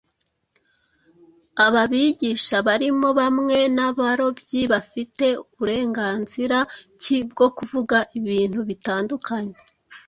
aba bigisha barimo bamwe b’abarobyi bafite burenganzira ki bwo kuvuga ibintu bitandukanye